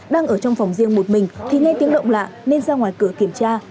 đang ở trong phòng riêng một mình thì nghe tiếng động lạ nên ra ngoài cửa kiểm tra